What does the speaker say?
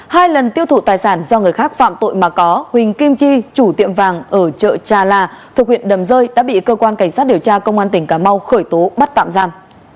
hai lần tiêu thụ tài sản do người khác phạm tội mà có huỳnh kim chi chủ tiệm vàng ở chợ trà là thuộc huyện đầm rơi đã bị cơ quan cảnh sát điều tra công an tỉnh cà mau khởi tố bắt tạm giam